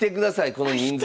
この人数。